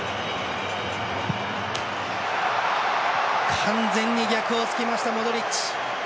完全に逆を突きましたモドリッチ。